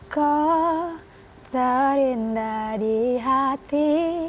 kau terindah di hati